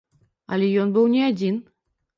Але ён быў не адзін.